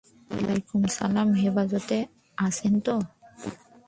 ওয়াইলামকুম সালাম হেফাজতে আছেন তো?